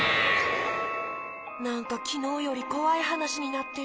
なんかきのうよりこわいはなしになってる。